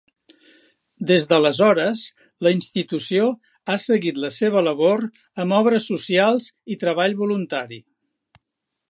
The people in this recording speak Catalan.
Des d'aleshores, la institució ha seguit la seva labor amb obres socials i treball voluntari.